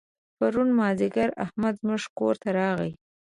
پرون مازدیګر احمد زموږ کور ته راغی.